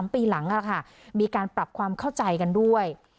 ๓ปีหลังมีการปรับความเข้าใจกันด้วย